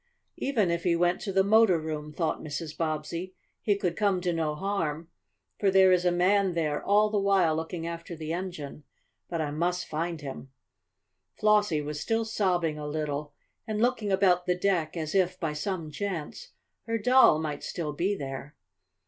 "Even if he went to the motor room," thought Mrs. Bobbsey, "he could come to no harm, for there is a man there all the while looking after the engine. But I must find him." Flossie was still sobbing a little, and looking about the deck as if, by some chance, her doll might still be there.